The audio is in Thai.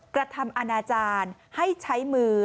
กระทำอนาจารย์ให้ใช้มือ